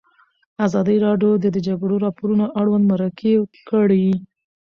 ازادي راډیو د د جګړې راپورونه اړوند مرکې کړي.